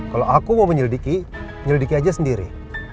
kalau aku mau menyelidiki menyelidiki aja sendiri